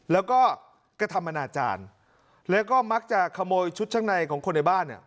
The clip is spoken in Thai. แล้วก็กระทำอนาจารย์แล้วก็มักจะขโมยชุดชั้นในของคนในบ้านเนี่ย